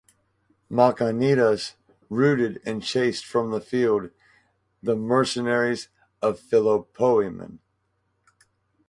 Machanidas routed and chased from the field the mercenaries of Philopoemen.